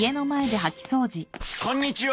こんにちは。